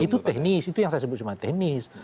itu teknis itu yang saya sebut cuma teknis